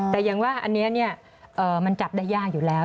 แต่อย่างว่าอันนี้มันจับได้ยากอยู่แล้ว